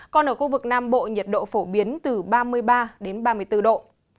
còn ở khu vực nam bộ nhiệt độ phổ biến từ ba mươi ba đến ba mươi bốn độ